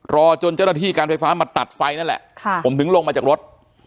รอจนเจ้าหน้าที่การไฟฟ้ามาตัดไฟนั่นแหละผมถึงลงมาจากรถ